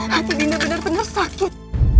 hati dinda benar benar sakit